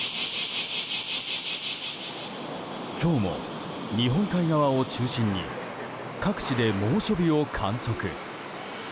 今日も日本海側を中心に各地で猛暑日を観測。